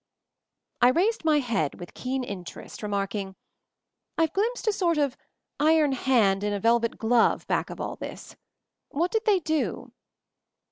I raised my head with keen interest, re marking, "I've glimpsed a sort of Iron hand in a velvet glove* back of all this. What did they do?"